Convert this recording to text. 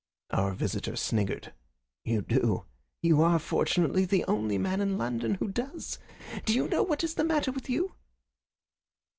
Our visitor sniggered. "You do. You are, fortunately, the only man in London who does. Do you know what is the matter with you?"